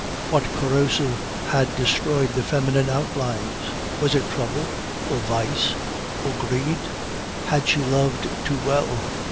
What corrosive had destroyed the feminine outlines? Was it trouble, or vice, or greed? Had she loved too well?